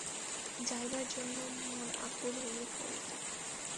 যাইবার জন্য মন আকুল হইয়া পড়িত।